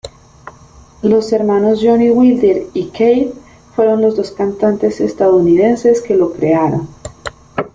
Los hermanos Johnnie Wilder y Keith fueron los dos cantantes estadounidenses que lo crearon.